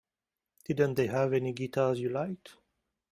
Didn't they have any guitars you liked?